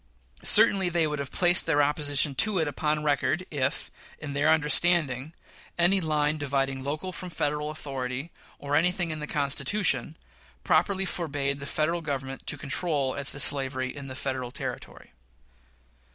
Certainly they would have placed their opposition to it upon record, if, in their understanding, any line dividing local from Federal authority, or anything in the Constitution, properly forbade the Federal Government to control as to slavery in Federal territory.